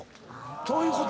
そういうことや。